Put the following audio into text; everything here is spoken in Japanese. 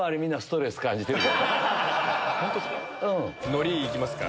のりいきますか。